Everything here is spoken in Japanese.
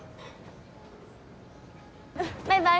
バイバイ！